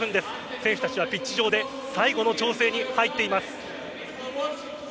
選手たちはピッチ上で最後の調整に入っています。